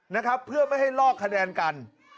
นะครับเพื่อไม่ให้ลอกคะแนนกัน